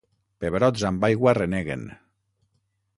Pebrots amb aigua reneguen.